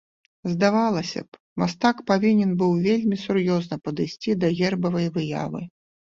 Здавалася б, мастак павінен быў вельмі сур'ёзна падысці да гербавай выявы.